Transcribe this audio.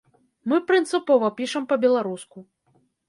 Мы прынцыпова пішам па-беларуску.